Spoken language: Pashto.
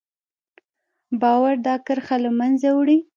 باور دا کرښه له منځه وړي.